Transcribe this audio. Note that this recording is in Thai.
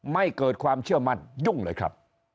ไม่เกิดความเชื่อมั่นยุ่งเลยครับ